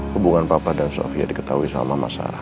hubungan papa dan sofia diketahui sama mama sarah